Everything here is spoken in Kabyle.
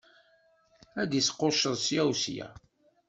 Ad d-isqucceḍ sya u sya.